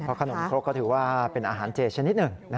ขนมครกก็ถือว่าเป็นอาหารเจชนิดหนึ่ง